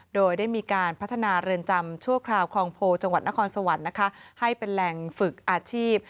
โดยได้มีการพัฒนาเรือนจำชั่วคราวคลองโพจังหวัดนครสวรรค์นะคะให้เป็นแหล่งฝึกอาชีพ